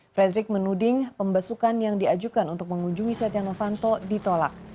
frederick menuding pembesukan yang diajukan untuk mengunjungi setia novanto ditolak